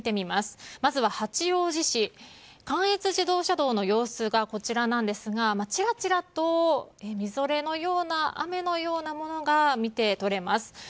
まずは八王子市関越自動車道の様子ですがちらちらと、みぞれのような雨のようなものが見て取れます。